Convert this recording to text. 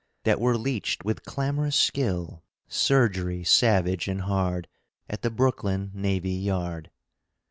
That were leeched with clamorous skill (Surgery savage and hard), At the Brooklyn Navy Yard.